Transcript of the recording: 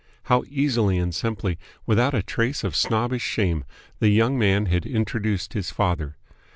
How easily and simply, without a trace of snobbish shame, the young man had introduced his father.